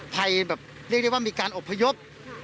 แบบเรียกได้ว่ามีการอบพยพ